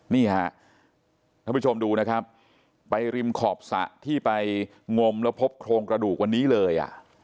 นี่ฮะท่านผู้ชมดูนะครับไปริมขอบสระที่ไปงมแล้วพบโครงกระดูกวันนี้เลย